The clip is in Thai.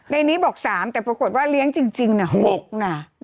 ในนี้บอก๓แต่ปรากฏว่าเลี้ยงจริงนะ๖นะ